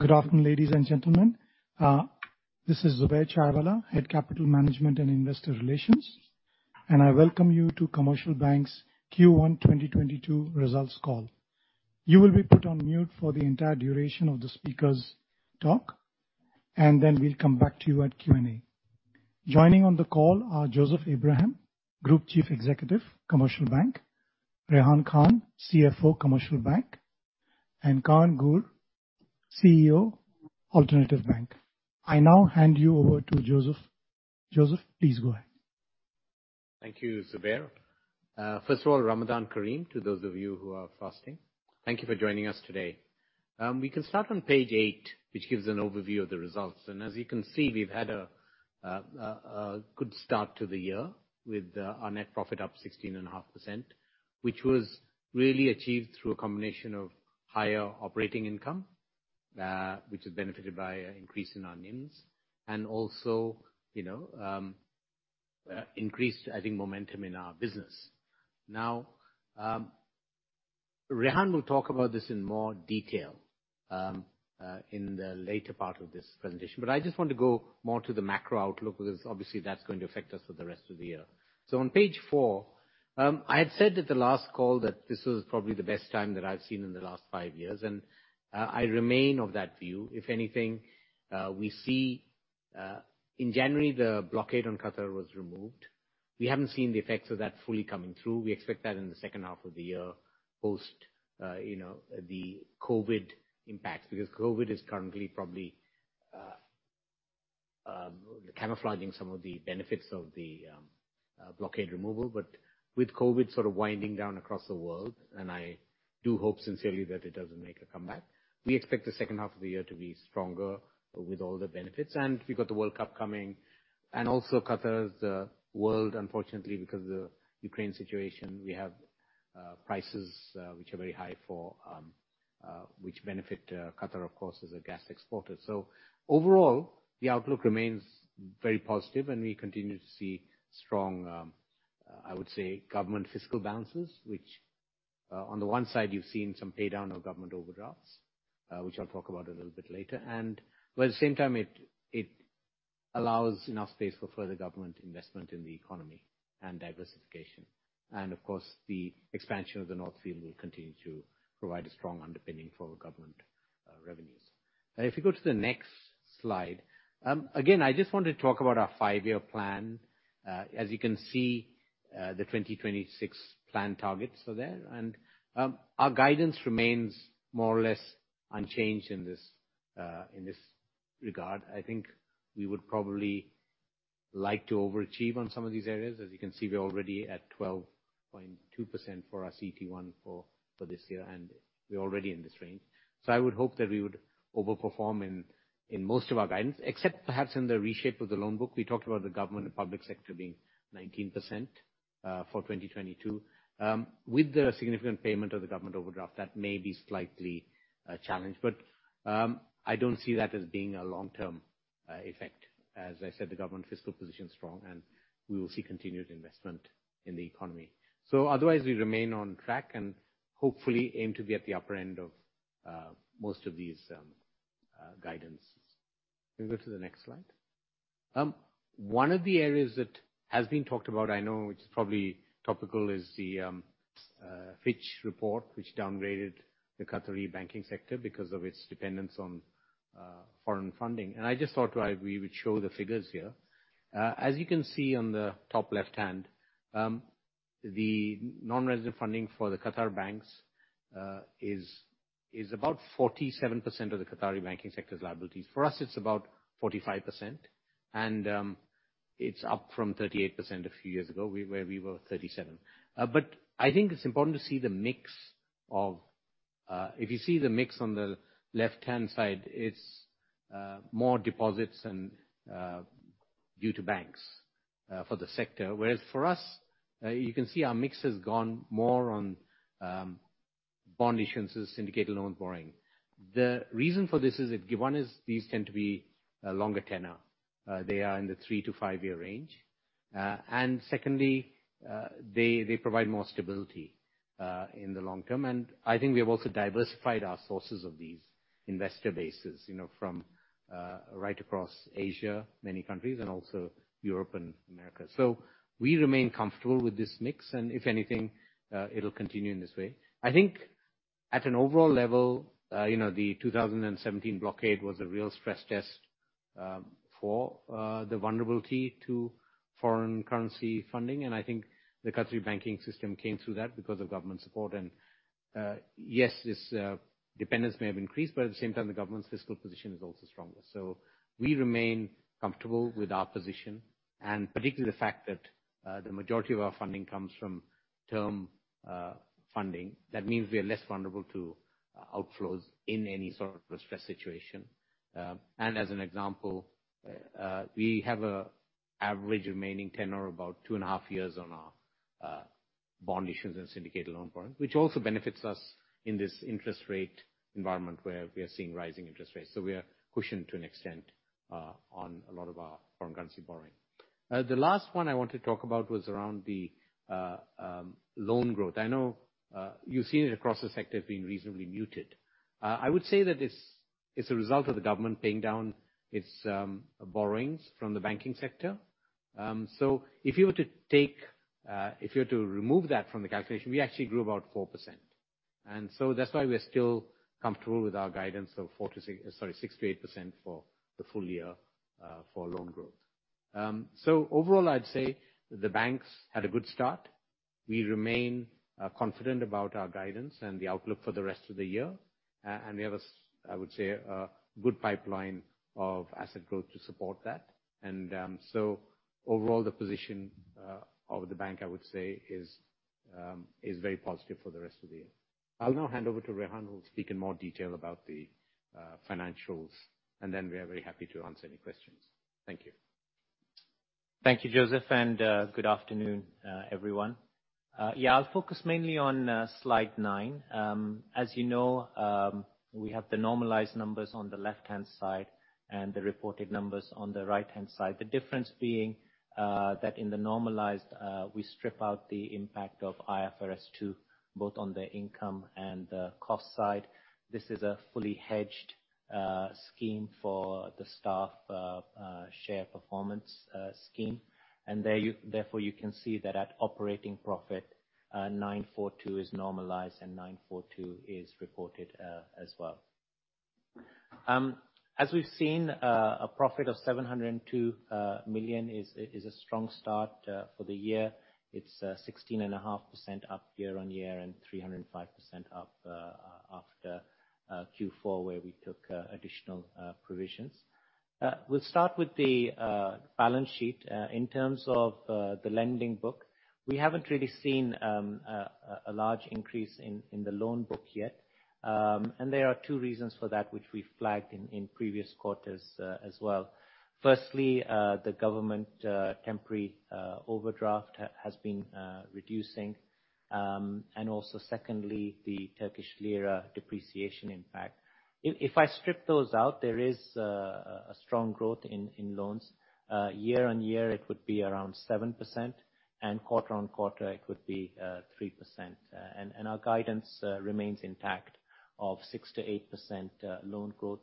Good afternoon, ladies and gentlemen. This is Zubair Chaiwalla, Head Capital Management and Investor Relations, and I welcome you to Commercial Bank's Q1 2022 results call. You will be put on mute for the entire duration of the speakers' talk, and then we'll come back to you at Q&A. Joining on the call are Joseph Abraham, Group Chief Executive, Commercial Bank; Rehan Khan, CFO, Commercial Bank; and Kaan Gür, CEO, Alternatif Bank. I now hand you over to Joseph. Joseph, please go ahead. Thank you, Zubair. First of all, Ramadan kareem to those of you who are fasting. Thank you for joining us today. We can start on page 8, which gives an overview of the results. As you can see, we've had a good start to the year with our net profit up 16.5%, which was really achieved through a combination of higher operating income, which is benefited by an increase in our NIMS. Also, you know, increased, I think, momentum in our business. Now, Rehan will talk about this in more detail in the later part of this presentation. I just want to go more to the macro outlook because obviously that's going to affect us for the rest of the year. On page four, I had said at the last call that this was probably the best time that I've seen in the last five years, and I remain of that view. If anything, we see in January, the blockade on Qatar was removed. We haven't seen the effects of that fully coming through. We expect that in the second half of the year, post you know, the COVID impacts, because COVID is currently probably camouflaging some of the benefits of the blockade removal. With COVID sort of winding down across the world, and I do hope sincerely that it doesn't make a comeback, we expect the second half of the year to be stronger with all the benefits. We've got the World Cup coming. Qatar is the winner, unfortunately, because of the Ukraine situation, we have prices which are very high which benefit Qatar, of course, as a gas exporter. Overall, the outlook remains very positive and we continue to see strong, I would say, government fiscal balances, which on the one side, you've seen some pay down of government overdrafts, which I'll talk about a little bit later. But at the same time, it allows enough space for further government investment in the economy and diversification. Of course, the expansion of the North Field will continue to provide a strong underpinning for government revenues. If you go to the next slide, again, I just wanted to talk about our five-year plan. As you can see, the 2026 plan targets are there. Our guidance remains more or less unchanged in this regard. I think we would probably like to overachieve on some of these areas. As you can see, we're already at 12.2% for our CET1 for this year, and we're already in this range. I would hope that we would overperform in most of our guidance, except perhaps in the reshape of the loan book. We talked about the government and public sector being 19% for 2022. With the significant payment of the government overdraft, that may be slightly challenged, but I don't see that as being a long-term effect. As I said, the government fiscal position is strong, and we will see continued investment in the economy. Otherwise, we remain on track and hopefully aim to be at the upper end of most of these guidances. Can you go to the next slide? One of the areas that has been talked about, I know it's probably topical, is the Fitch report, which downgraded the Qatari banking sector because of its dependence on foreign funding. I just thought why we would show the figures here. As you can see on the top left-hand, the non-resident funding for the Qatari banks is about 47% of the Qatari banking sector's liabilities. For us, it's about 45%, and it's up from 38% a few years ago, where we were 37. I think it's important to see the mix of, if you see the mix on the left-hand side, it's more deposits and due to banks for the sector. Whereas for us, you can see our mix has gone more on bond issuances, syndicated loan borrowing. The reason for this is that, one is these tend to be a longer tenor. They are in the 3-5-year range. Secondly, they provide more stability in the long term. I think we have also diversified our sources of these investor bases, you know, from right across Asia, many countries, and also Europe and America. We remain comfortable with this mix, and if anything, it'll continue in this way. I think at an overall level, you know, the 2017 blockade was a real stress test for the vulnerability to foreign currency funding. I think the Qatari banking system came through that because of government support. Yes, this dependence may have increased, but at the same time, the government's fiscal position is also stronger. We remain comfortable with our position, and particularly the fact that the majority of our funding comes from term funding. That means we are less vulnerable to outflows in any sort of a stress situation. As an example, we have an average remaining tenor of about 2.5 years on our bond issues and syndicated loan borrowing, which also benefits us in this interest rate environment where we are seeing rising interest rates. We are cushioned to an extent on a lot of our foreign currency borrowing. The last one I want to talk about was around the loan growth. I know you've seen it across the sector being reasonably muted. I would say that this is a result of the government paying down its borrowings from the banking sector. If you were to remove that from the calculation, we actually grew about 4%. That's why we're still comfortable with our guidance of 6%-8% for the full year for loan growth. Overall, I'd say the banks had a good start. We remain confident about our guidance and the outlook for the rest of the year. We have, I would say, a good pipeline of asset growth to support that. Overall, the position of the bank, I would say, is very positive for the rest of the year. I'll now hand over to Rehan, who'll speak in more detail about the financials, and then we are very happy to answer any questions. Thank you. Thank you, Joseph, and good afternoon, everyone. Yeah, I'll focus mainly on slide 9. As you know, we have the normalized numbers on the left-hand side and the reported numbers on the right-hand side. The difference being that in the normalized, we strip out the impact of IFRS 2, both on the income and the cost side. This is a fully hedged scheme for the staff share performance scheme. Therefore, you can see that at operating profit, 942 is normalized, and 942 is reported as well. As we've seen, a profit of 702 million is a strong start for the year. It's 16.5% up year-on-year and 305% up after Q4, where we took additional provisions. We'll start with the balance sheet. In terms of the lending book, we haven't really seen a large increase in the loan book yet. There are two reasons for that which we've flagged in previous quarters as well. Firstly, the government temporary overdraft has been reducing. Also secondly, the Turkish lira depreciation impact. If I strip those out, there is a strong growth in loans. Year-on-year, it would be around 7%, and quarter-on-quarter, it would be 3%. Our guidance remains intact of 6%-8% loan growth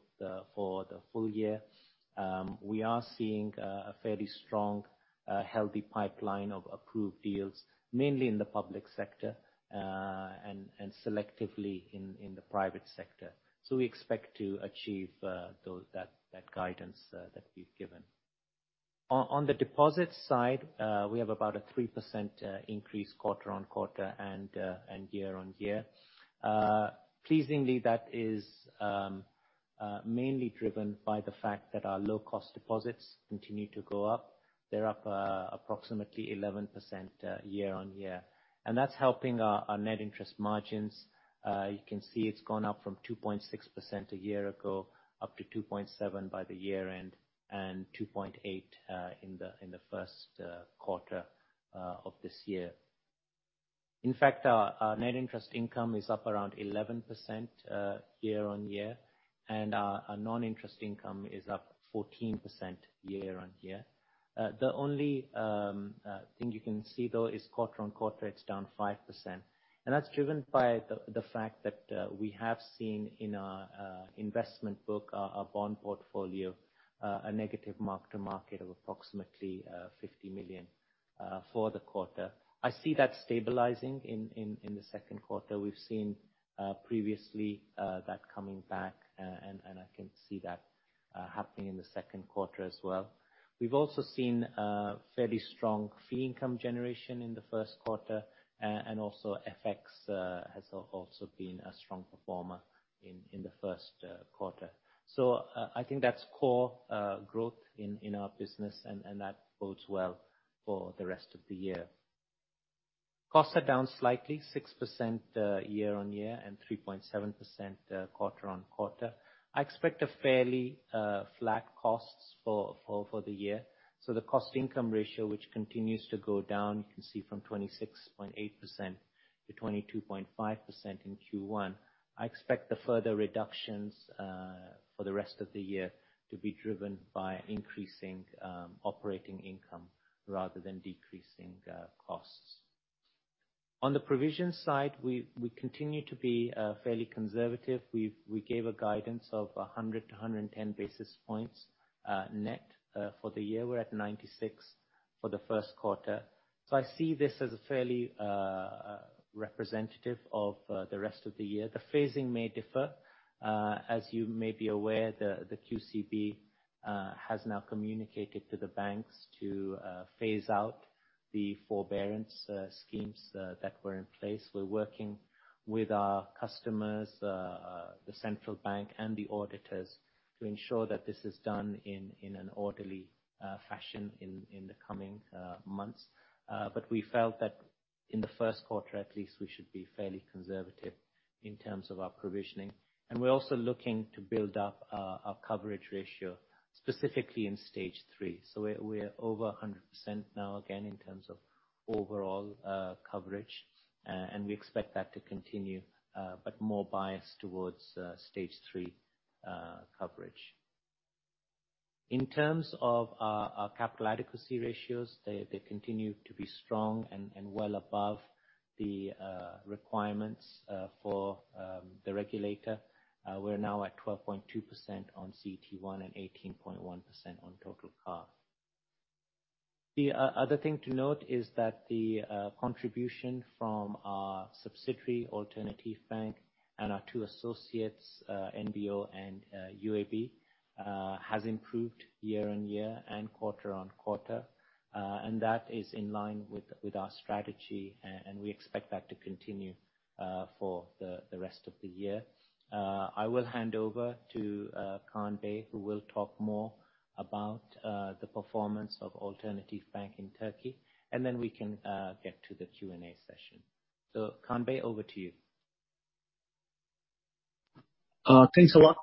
for the full year. We are seeing a fairly strong healthy pipeline of approved deals, mainly in the public sector, and selectively in the private sector. We expect to achieve that guidance that we've given. On the deposit side, we have about a 3% increase quarter-on-quarter and year-on-year. Pleasingly, that is mainly driven by the fact that our low-cost deposits continue to go up. They're up approximately 11% year-on-year. That's helping our net interest margins. You can see it's gone up from 2.6% a year ago, up to 2.7% by the year-end, and 2.8% in the first quarter of this year. In fact, our net interest income is up around 11% year-on-year, and our non-interest income is up 14% year-on-year. The only thing you can see, though, is quarter-on-quarter, it's down 5%. That's driven by the fact that we have seen in our investment book, our bond portfolio, a negative mark-to-market of approximately 50 million for the quarter. I see that stabilizing in the second quarter. We've seen previously that coming back, and I can see that happening in the second quarter as well. We've also seen fairly strong fee income generation in the first quarter, and also FX has also been a strong performer in the first quarter. I think that's core growth in our business and that bodes well for the rest of the year. Costs are down slightly, 6% year-over-year and 3.7% quarter-over-quarter. I expect fairly flat costs for the year. The cost-income ratio, which continues to go down, you can see from 26.8%-22.5% in Q1. I expect the further reductions for the rest of the year to be driven by increasing operating income rather than decreasing costs. On the provision side, we continue to be fairly conservative. We gave a guidance of 100 to 110 basis points, net, for the year. We're at 96 for the first quarter. I see this as a fairly representative of the rest of the year. The phasing may differ. As you may be aware, the QCB has now communicated to the banks to phase out the forbearance schemes that were in place. We're working with our customers, the central bank and the auditors to ensure that this is done in an orderly fashion in the coming months. We felt that in the first quarter at least, we should be fairly conservative in terms of our provisioning. We're also looking to build up our coverage ratio, specifically in Stage 3. We're over 100% now again in terms of overall coverage. We expect that to continue, but more biased towards Stage 3 coverage. In terms of our capital adequacy ratios, they continue to be strong and well above the requirements for the regulator. We're now at 12.2% on CET1 and 18.1% on total CAR. The other thing to note is that the contribution from our subsidiary, Alternatif Bank, and our two associates, NBO and UAB, has improved year-on-year and quarter-on-quarter. That is in line with our strategy and we expect that to continue for the rest of the year. I will hand over to Kaan Bey, who will talk more about the performance of Alternatif Bank in Turkey, and then we can get to the Q&A session. Kaan Bey, over to you. Thanks a lot.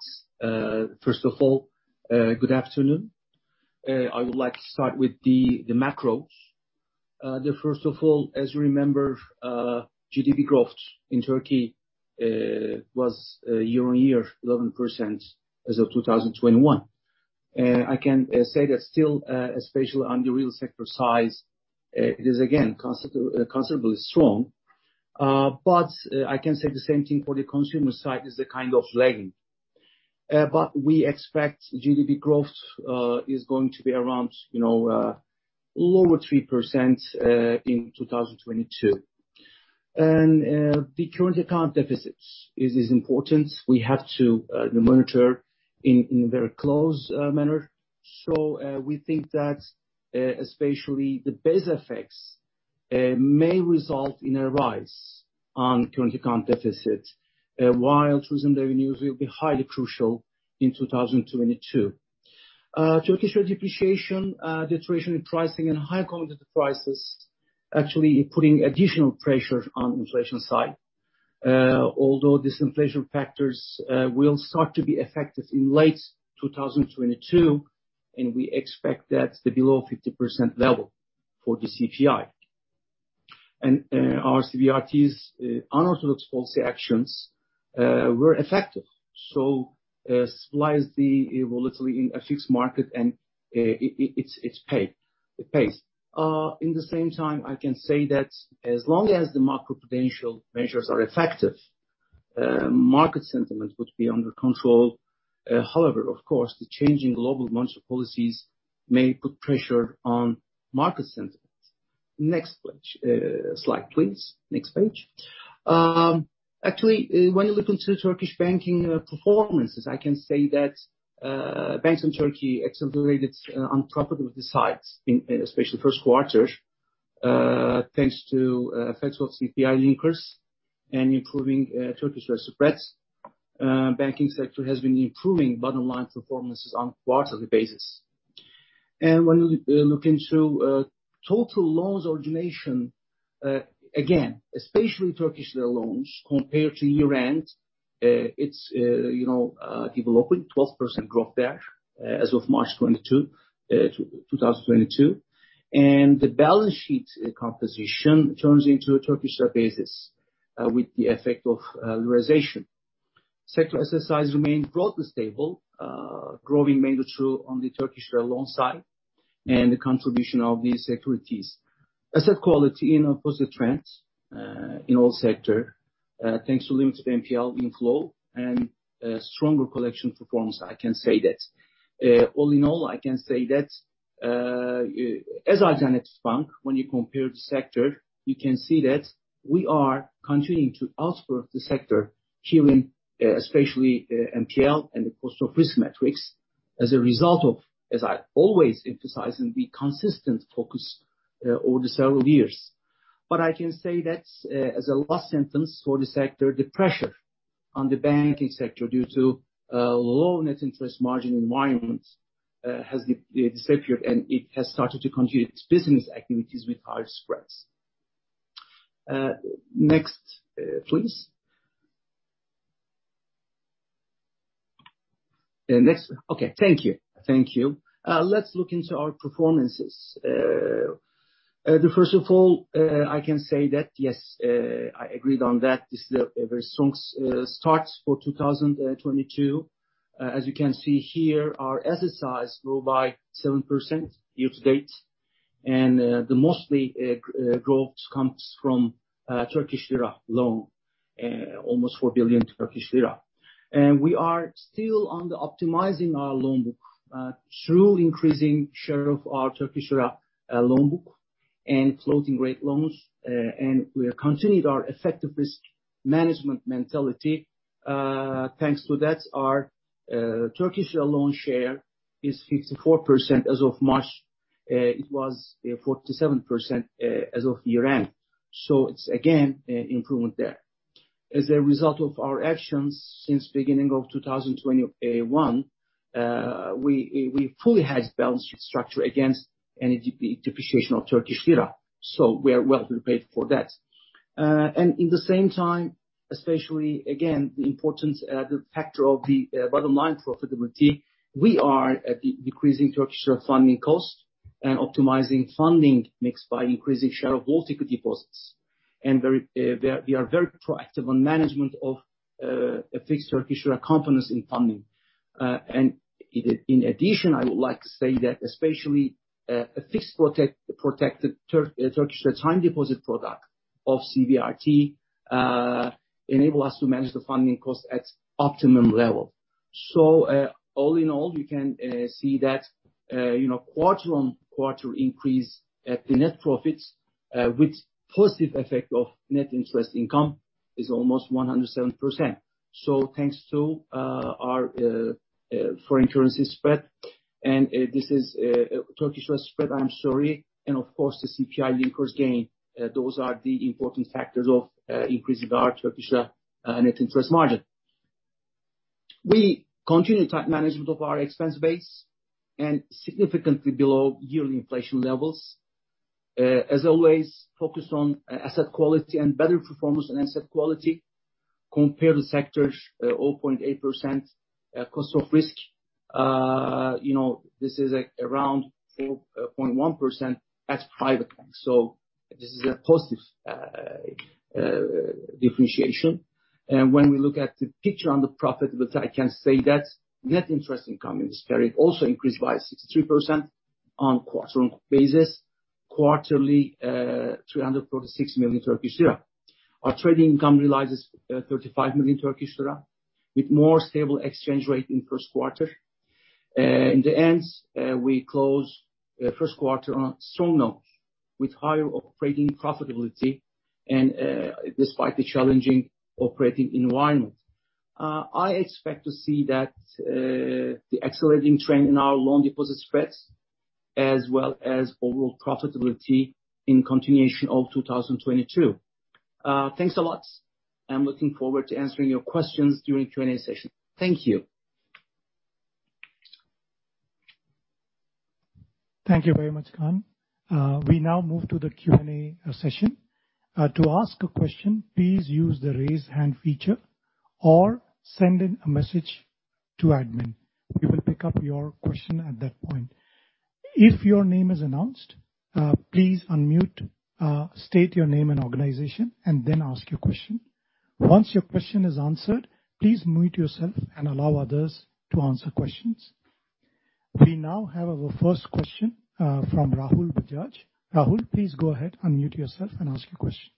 First of all, good afternoon. I would like to start with the macros. First of all, as you remember, GDP growth in Turkey was year-on-year 11% as of 2021. I can say that still, especially on the real sector side, it is again considerably strong. I can say the same thing for the consumer side, which is kind of lagging. We expect GDP growth is going to be around, you know, low 3% in 2022. The current account deficit is important. We have to, you know, monitor it in a very close manner. We think that, especially the base effects, may result in a rise in current account deficits, while tourism revenues will be highly crucial in 2022. Turkish depreciation, deterioration in pricing and high commodity prices actually putting additional pressure on inflation side. Although these inflation factors will start to be effective in late 2022, and we expect that below the 50% level for the CPI. Our CBRT's unorthodox policy actions were effective. Suppresses the volatility in an FX market and it's paid. It pays. At the same time, I can say that as long as the macro-prudential measures are effective, market sentiment would be under control. However, of course, the changing global monetary policies may put pressure on market sentiment. Next page, slide, please. Next page. Actually, when you look into Turkish banking performances, I can say that banks in Turkey accelerated on profitability sides in especially first quarter, thanks to effects of CPI linkers and improving Turkish lira spreads. Banking sector has been improving bottom line performances on quarterly basis. When you look into total loans origination, again, especially Turkish lira loans compared to year-end, it's you know developing. 12% growth there as of March 2022. The balance sheet composition turns into a Turkish lira basis with the effect of liraization. Sector asset size remains broadly stable, growing mainly through on the Turkish lira loan side and the contribution of these securities. Asset quality in opposite trends in all sectors thanks to limited NPL inflow and stronger collection performance, I can say that. All in all, I can say that as Alternatif Bank, when you compare the sector, you can see that we are continuing to outperform the sector here in especially NPL and the cost of risk metrics as a result of, as I always emphasize, the consistent focus over the several years. I can say that as a last sentence for the sector, the pressure on the banking sector due to a low net interest margin environment has disappeared, and it has started to continue its business activities with higher spreads. Next, please. Next. Okay, thank you. Thank you. Let's look into our performances. First of all, I can say that, yes, I agreed on that. This is a very strong start for 2022. As you can see here, our asset size grew by 7% year to date. The most growth comes from Turkish lira loans, almost 4 billion Turkish lira. We are still optimizing our loan book through increasing share of our Turkish lira loan book and floating-rate loans. We have continued our effective risk management mentality. Thanks to that, our Turkish lira loan share is 54% as of March. It was 47% as of year-end. It's again an improvement there. As a result of our actions since beginning of 2021, we fully hedged balance sheet structure against any depreciation of Turkish lira. We are well prepared for that. In the same time, especially again, the importance, the factor of the bottom line profitability, we are decreasing Turkish lira funding costs and optimizing funding mix by increasing share of all equity deposits. We are very proactive on management of a fixed Turkish lira components in funding. In addition, I would like to say that especially, a fixed protected Turkish lira time deposit product of CBRT enable us to manage the funding cost at optimum level. All in all, you can see that, you know, quarter-over-quarter increase at the net profits with positive effect of net interest income is almost 107%. Thanks to our foreign currency spread, and this is Turkish lira spread, I'm sorry. And of course, the CPI linkers gain. Those are the important factors of increasing our Turkish lira net interest margin. We continue tight management of our expense base and significantly below yearly inflation levels. As always, focused on asset quality and better performance in asset quality compared to sector's 0.8% cost of risk. You know, this is around 4.1% at private bank. This is a positive differentiation. When we look at the picture on the profitability, I can say that net interest income in this period also increased by 63% on quarter-on-quarter basis. Quarterly, 346 million Turkish lira. Our trading income realizes 35 million Turkish lira with more stable exchange rate in first quarter. In the end, we closed first quarter on a strong note with higher operating profitability and, despite the challenging operating environment. I expect to see that the accelerating trend in our loan deposit spreads as well as overall profitability in continuation of 2022. Thanks a lot. I'm looking forward to answering your questions during Q&A session. Thank you. Thank you very much, Kaan. We now move to the Q&A session. To ask a question, please use the raise hand feature or send in a message to admin. We will pick up your question at that point. If your name is announced, please unmute, state your name and organization, and then ask your question. Once your question is answered, please mute yourself and allow others to answer questions. We now have our first question from Rahul Bajaj. Rahul, please go ahead, unmute yourself and ask your question.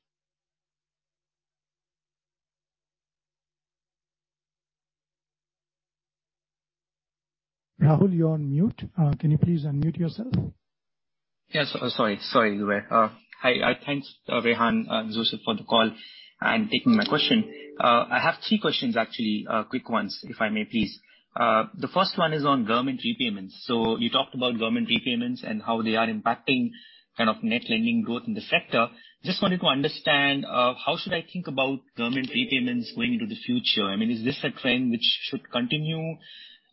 Rahul, you're on mute. Can you please unmute yourself? Yes. Sorry, everyone. Hi. Thanks, Rehan and Joseph for the call and taking my question. I have three questions, actually, quick ones, if I may please. The first one is on government repayments. You talked about government repayments and how they are impacting kind of net lending growth in the sector. Just wanted to understand how should I think about government repayments going into the future? I mean, is this a trend which should continue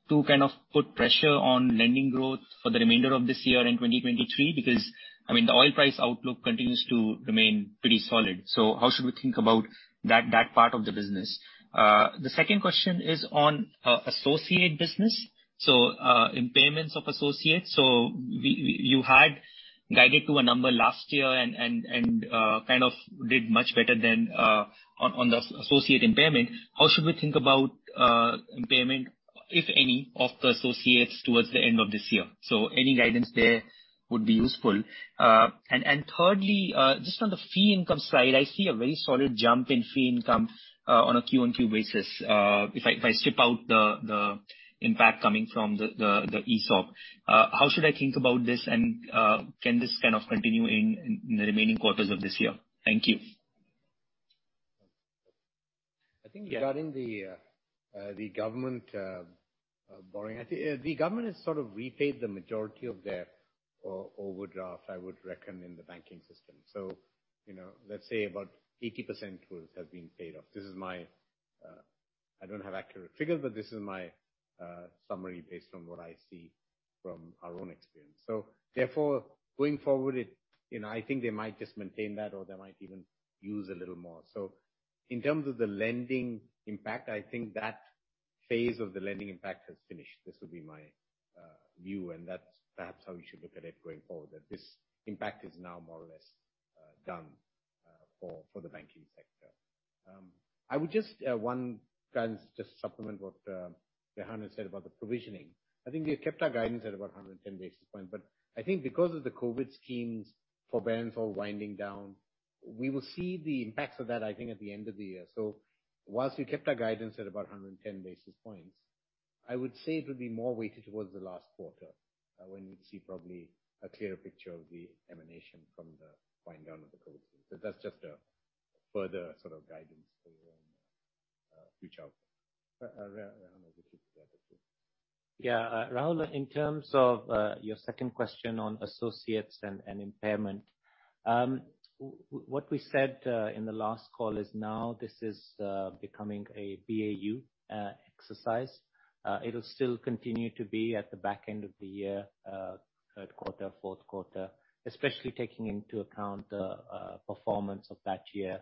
to kind of put pressure on lending growth for the remainder of this year in 2023? Because, I mean, the oil price outlook continues to remain pretty solid, so how should we think about that part of the business? The second question is on associate business, so impairments of associates. You had guided to a number last year and kind of did much better than on the associate impairment. How should we think about impairment, if any, of the associates towards the end of this year? Any guidance there would be useful. Thirdly, just on the fee income side, I see a very solid jump in fee income on a Q-on-Q basis. If I strip out the impact coming from the ESOP, how should I think about this and can this kind of continue in the remaining quarters of this year? Thank you. I think regarding the government borrowing, I think the government has sort of repaid the majority of their overdraft, I would reckon, in the banking system. You know, let's say about 80% worth has been paid off. I don't have accurate figures, but this is my summary based on what I see from our own experience. Therefore, going forward it, you know, I think they might just maintain that or they might even use a little more. In terms of the lending impact, I think that phase of the lending impact has finished. This would be my view, and that's perhaps how we should look at it going forward, that this impact is now more or less done for the banking sector. I would just one... Kaan, just supplement what Rehan has said about the provisioning. I think we have kept our guidance at about 110 basis points, but I think because of the COVID schemes forbearance all winding down, we will see the impacts of that, I think, at the end of the year. Whilst we kept our guidance at about 110 basis points, I would say it will be more weighted towards the last quarter when we'd see probably a clearer picture of the emanation from the wind down of the COVID scheme. That's just a further sort of guidance for you and reach out. Rehan, would you like to add it, too? Yeah. Rahul, in terms of your second question on associates and impairment, what we said in the last call is now becoming a BAU exercise. It will still continue to be at the back end of the year, third quarter, fourth quarter, especially taking into account the performance of that year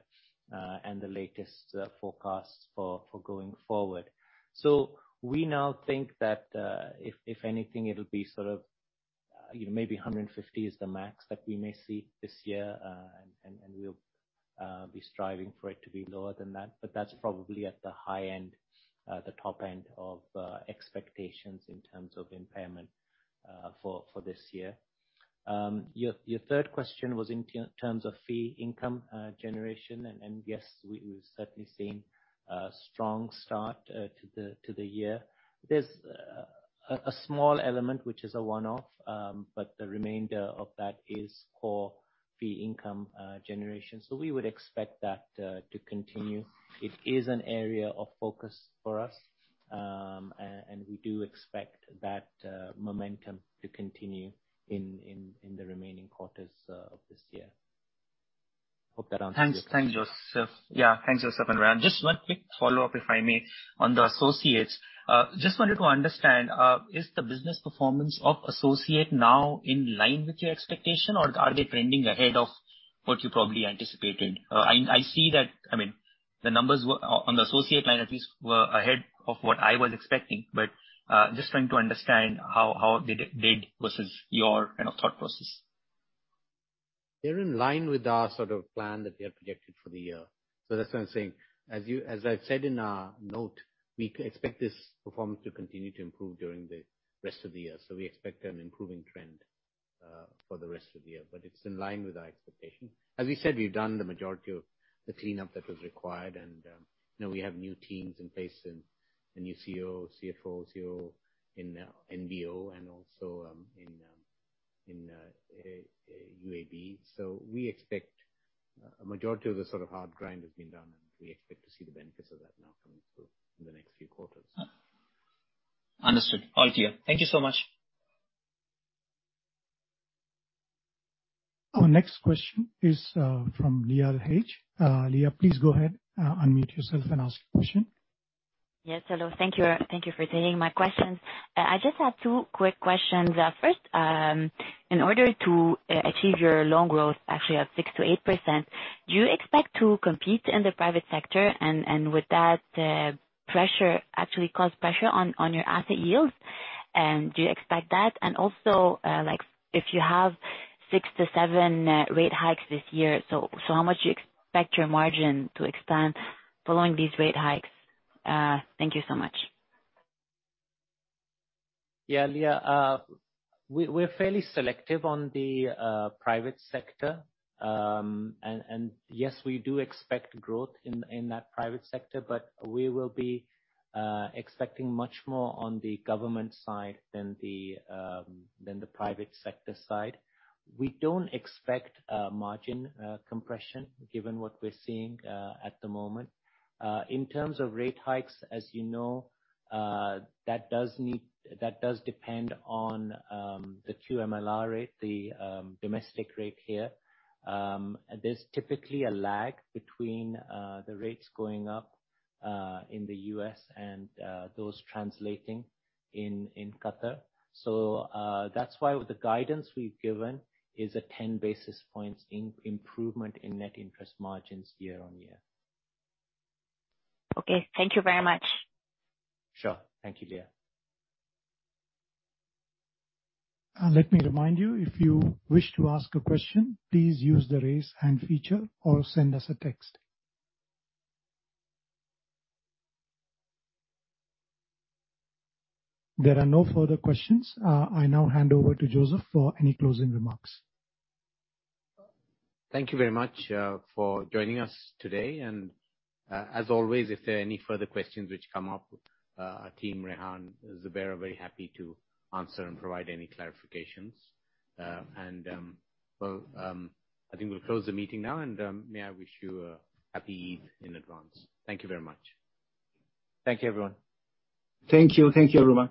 and the latest forecasts for going forward. We now think that, if anything, it will be sort of, you know, maybe 150 is the max that we may see this year, and we will be striving for it to be lower than that. That's probably at the high end, the top end of expectations in terms of impairment for this year. Your third question was in terms of fee income generation and yes, we've certainly seen a strong start to the year. There's a small element which is a one-off, but the remainder of that is core fee income generation. We would expect that to continue. It is an area of focus for us. We do expect that momentum to continue in the remaining quarters of this year. I hope that answers your question. Thanks, Joseph. Yeah. Thanks, Joseph and Rehan. Just one quick follow-up, if I may, on the associates. Just wanted to understand, is the business performance of associate now in line with your expectation, or are they trending ahead of what you probably anticipated? I see that, I mean, the numbers on the associate line at least were ahead of what I was expecting, but just trying to understand how they did versus your kind of thought process. They're in line with our sort of plan that we have projected for the year. That's why I'm saying, as I've said in our note, we expect this performance to continue to improve during the rest of the year. We expect an improving trend for the rest of the year. It's in line with our expectation. As we said, we've done the majority of the cleanup that was required and, you know, we have new teams in place and new CEO, CFO, COO in NBO and also in UAB. We expect a majority of the sort of hard grind has been done and we expect to see the benefits of that now coming through in the next few quarters. Understood. All clear. Thank you so much. Our next question is from Leah H. Leah, please go ahead, unmute yourself and ask your question. Yes, hello. Thank you. Thank you for taking my questions. I just have two quick questions. First, in order to achieve your loan growth actually of 6%-8%, do you expect to compete in the private sector and with that pressure actually cause pressure on your asset yields? Do you expect that? Also, like if you have 6-7 rate hikes this year, so how much do you expect your margin to expand following these rate hikes? Thank you so much. Yeah, Leah H. We're fairly selective on the private sector. Yes, we do expect growth in that private sector, but we will be expecting much more on the government side than the private sector side. We don't expect a margin compression, given what we're seeing at the moment. In terms of rate hikes, as you know, that does depend on the QMLR rate, the domestic rate here. There's typically a lag between the rates going up in the U.S. and those translating in Qatar. That's why with the guidance we've given is a 10 basis points improvement in net interest margins year-over-year. Okay. Thank you very much. Sure. Thank you, Leah H. Let me remind you, if you wish to ask a question, please use the raise hand feature or send us a text. There are no further questions. I now hand over to Joseph for any closing remarks. Thank you very much for joining us today. As always, if there are any further questions which come up, our team, Rehan, Zubair, are very happy to answer and provide any clarifications. I think we'll close the meeting now. May I wish you Happy Eid in advance. Thank you very much. Thank you, everyone. Thank you. Thank you, everyone.